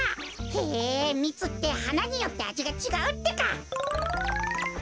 へえミツってはなによってあじがちがうってか。